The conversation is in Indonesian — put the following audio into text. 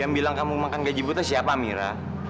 yang bilang kamu makan gaji buta siapa mira